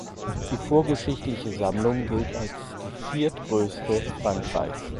Die vorgeschichtliche Sammlung gilt als die viertgrößte Frankreichs.